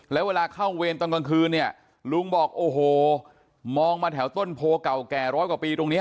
แล้วเวลาเข้าเวรตอนกลางคืนเนี่ยลุงบอกโอ้โหมองมาแถวต้นโพเก่าแก่ร้อยกว่าปีตรงนี้